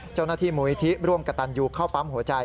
เจ้าหน้าที่มูลนิธิร่วมกับตันยูเข้าปั๊มหัวใจ